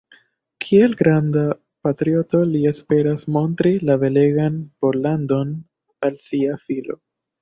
Kiel granda patrioto li esperas montri la belegan Pollandon al sia filo.